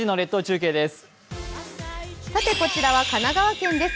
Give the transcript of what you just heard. こちらは神奈川県です